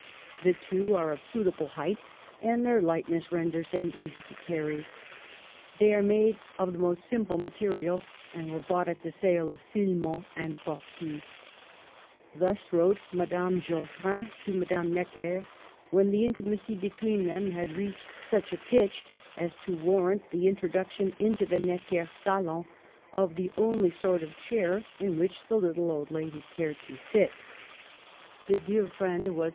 The two are of suitable height and their light ness renders them easy to carry. They are made of the most simple material, and were bought at the sale of Philemon and Baucis." Thus wrote Madame Geoffrin to Madame Necker when the intimacy between them had reached such a pitch as to warrant the introduc tion into the Necker salons of the only sort of chair in which the little old lady cared to sit The "dear friend" was M.